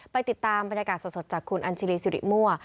ติดตามบรรยากาศสดจากคุณอัญชรีสิริมั่ว